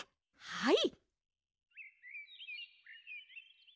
はい！